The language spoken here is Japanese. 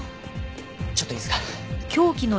ちょっといいですか？